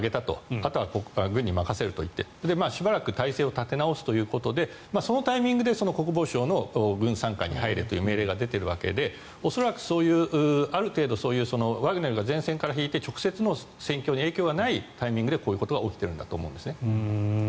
あとは軍に任せるといってしばらく体制を整えるということでそのタイミングで国防省の軍傘下に入れという命令が出てるわけで恐らく、そういう、ある程度ワグネルが前線から引いて直接の戦況に影響がないタイミングでこういうことが起きてるんだと思います。